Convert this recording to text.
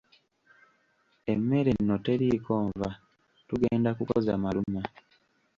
Emmere nno teriiko nva tugenda kukoza maluma.